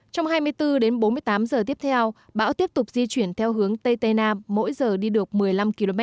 trong hai mươi bốn đến bốn mươi tám giờ tiếp theo bão tiếp tục di chuyển theo hướng tây tây nam mỗi giờ đi được một mươi năm km